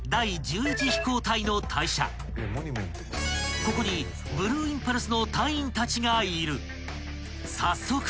［ここにブルーインパルスの隊員たちがいる］